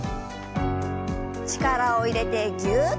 力を入れてぎゅっ。